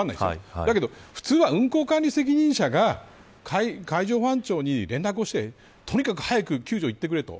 だけど普通は、運航管理責任者が海上保安庁に連絡をしてとにかく早く救助に行ってくれと。